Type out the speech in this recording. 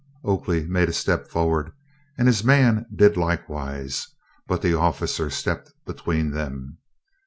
Oakley made a step forward, and his man did likewise, but the officer stepped between them.